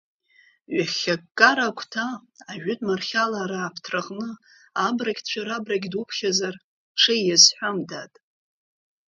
Ҩахьхьи аккара агәҭа, ажәытә Мархьалаа рааԥҭраҟны абрагьцәа-рабрагь дуԥхьазар, ҽеи иазҳәам, дад!